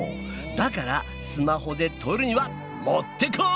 だからスマホで撮るにはもってこい！